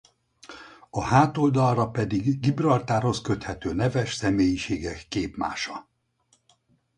A hátoldalra pedig Gibraltárhoz köthető neves személyiségek képmása.